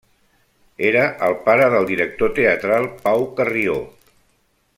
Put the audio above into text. Era el pare del director teatral Pau Carrió.